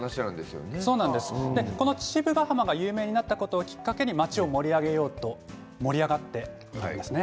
ここ父母ヶ浜が有名になったことによって町を盛り上げようと盛り上がっていますね。